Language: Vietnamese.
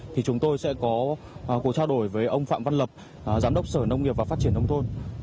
thì chúng tôi sẽ có cuộc trao đổi với ông phạm văn lập giám đốc sở nông nghiệp và phát triển nông thôn